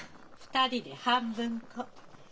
２人で半分こ。